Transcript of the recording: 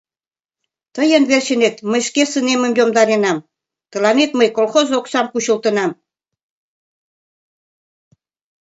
Тыйын верчынет мый шке сынемым йомдаренам... тыланет мый колхоз оксам кучылтынам!..